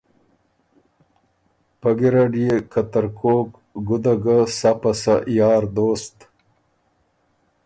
پۀ ګیرډ يې که ترکوک ګُده ګۀ سَۀ پَسَۀ یار دوست